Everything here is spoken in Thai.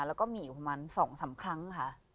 แล้วก็มีอยู่ประมาณ๒๓ครั้งค่ะ